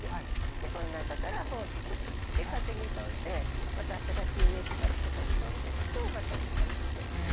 でこの中から胞子が出てきて風に飛んでまた新しい植木鉢とかに飛んでくとまた芽が出て。